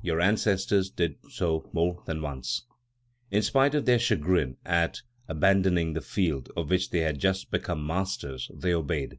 Your ancestors did so more than once." In spite of their chagrin at abandoning the field of which they they had just become masters, they obeyed.